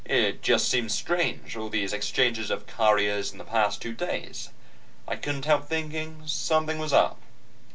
"It just seemed strange, all these exchanges of couriers in the past two days. I couldn't help thinking something was up."